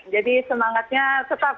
jadi semangatnya tetap